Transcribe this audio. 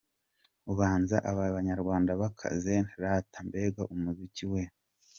Ubanza aba banyarwanda bakaze rata, mbega umuziki weeeee.